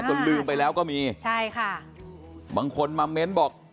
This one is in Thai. ลืมไปแล้วก็มีใช่ค่ะบางคนมาเม้นบอก